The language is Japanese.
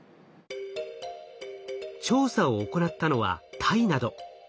調査を行ったのはタイなど。